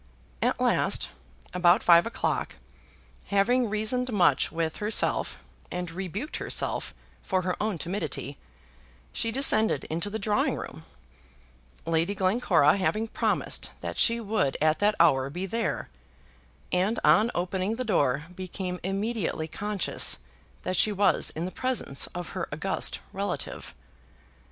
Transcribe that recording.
At last, about five o'clock, having reasoned much with herself, and rebuked herself for her own timidity, she descended into the drawing room, Lady Glencora having promised that she would at that hour be there, and on opening the door became immediately conscious that she was in the presence of her august relative.